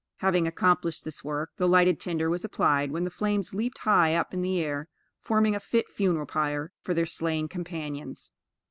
Having accomplished this work, the lighted tinder was applied, when the flames leaped high up in the air, forming a fit funeral pyre for their slain companions.